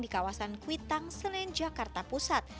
di kawasan kuitang senen jakarta pusat